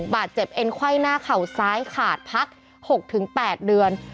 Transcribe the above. บาดเจ็บเอ็นไข้หน้าเข่าซ้ายขาดพัก๖๘เดือน